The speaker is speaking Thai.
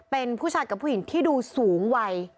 เป็นผู้ชายกับผู้หญิงที่ดูสูงวัย